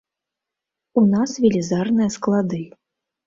У нас велізарныя склады.